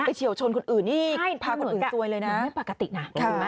ไปเฉียวชนคนอื่นอีกพาคนอื่นซวยเลยนะมันไม่ปกตินะ